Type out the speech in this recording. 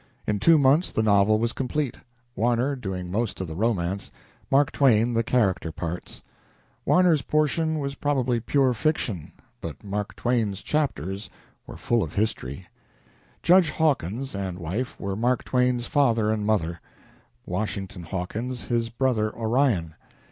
In two months the novel was complete, Warner doing most of the romance, Mark Twain the character parts. Warner's portion was probably pure fiction, but Mark Twain's chapters were full of history. Judge Hawkins and wife were Mark Twain's father and mother; Washington Hawkins, his brother Orion.